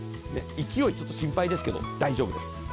勢いちょっと心配ですけど大丈夫です。